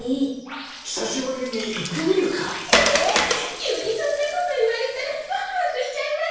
きゅうにそんなこといわれたらワクワクしちゃいますよ。